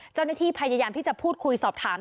เจ้าหน้าที่พยายามที่จะพูดคุยสอบถาม